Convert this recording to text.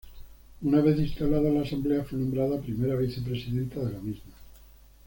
Una vez instalada la Asamblea fue nombrada primera vicepresidenta de la misma.